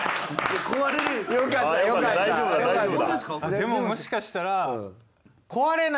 でももしかしたら正直。